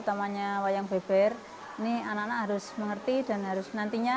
anak anak harus mengerti dan harus nantinya